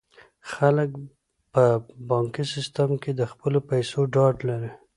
خلک په بانکي سیستم کې د خپلو پیسو ډاډ لري.